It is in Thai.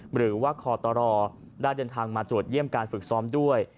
หรือว่าคอตรได้เดินทางมาตรวจเยี่ยมการฝึกซ้อมด้วย